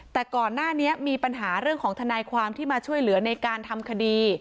แต่ก่อนหน้านี้มีปัญหาเรื่องของทนายความที่มาช่วยเหลือในการทำคดี